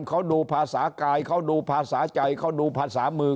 เขาดูภาษากายเขาดูภาษาใจเขาดูภาษามือ